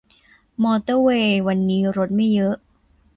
มอเตอร์เวย์วันนี้รถไม่เยอะ